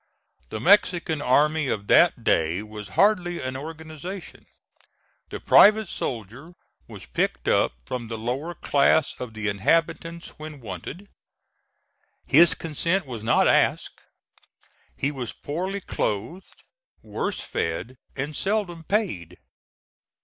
The Mexican army of that day was hardly an organization. The private soldier was picked up from the lower class of the inhabitants when wanted; his consent was not asked; he was poorly clothed, worse fed, and seldom paid.